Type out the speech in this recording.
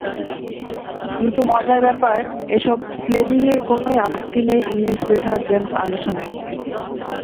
কিন্তু মজার ব্যাপার, এসব স্লেজিংয়ে কোনোই আপত্তি নেই ইংলিশ পেসার জেমস অ্যান্ডারসনের।